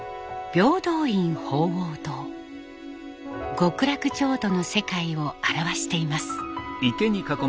極楽浄土の世界を表しています。